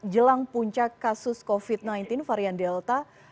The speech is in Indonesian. jelang puncak kasus covid sembilan belas varian delta